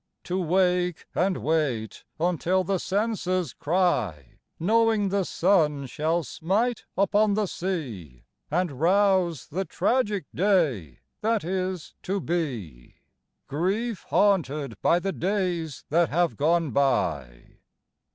To wake and wait until the senses cry Knowing the sun shall smite upon the sea, And rouse the tragic day that is to be, Grief haunted by the days that have gone by.